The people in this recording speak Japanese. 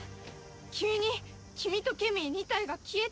急に君とケミー２体が消えて。